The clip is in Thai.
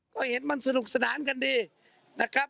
ก็เห็นมันสนุกสนานกันดีนะครับ